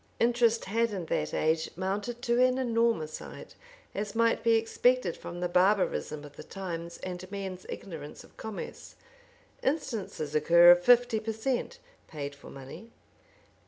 Interest had in that age mounted to an enormous height, as might be expected from the barbarism of the times and men's ignorance of commerce. Instances occur of fifty per cent. paid for money.